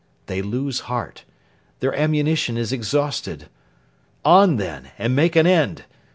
They lose heart. Their ammunition is exhausted. On, then, and make an end.